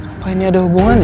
apa ini ada hubungan